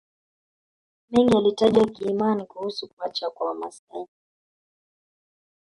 Mengi yalitajwa kiimani kuhusu pacha kwa Wamasai